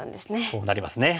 そうなりますね。